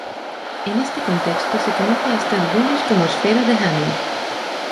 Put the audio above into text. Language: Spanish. En este contexto se conoce a estas bolas como Esferas de Hamming.